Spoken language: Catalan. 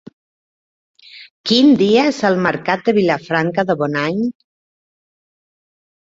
Quin dia és el mercat de Vilafranca de Bonany?